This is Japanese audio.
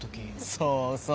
そうそう。